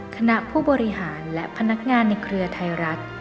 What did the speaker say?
คณะผู้บริหารและพนักงานในเครือไทยรัฐ